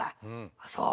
「あっそう。